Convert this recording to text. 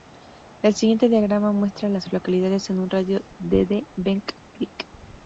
El siguiente diagrama muestra a las localidades en un radio de de Bent Creek.